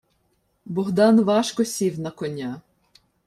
Богдан важко сів на коня.